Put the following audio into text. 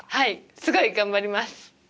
すごい頑張ります。